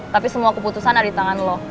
tapi semua keputusan ada di tangan lo